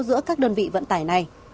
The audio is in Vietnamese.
giữa các đơn vị vận tải này